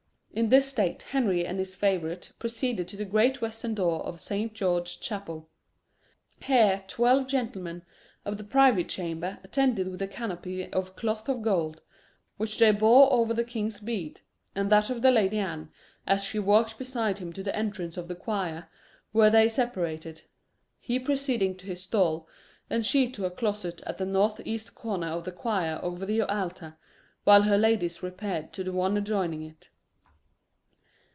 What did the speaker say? In this state Henry and his favourite proceeded to the great western door of Saint George's Chapel. Here twelve gentlemen of the privy chamber attended with a canopy of cloth of gold, which they bore over the king's bead, and that of the Lady Anne, as she walked beside him to the entrance of the choir, where they separated he proceeding to his stall, and she to a closet at the north east corner of the choir over the altar, while her ladies repaired to one adjoining it.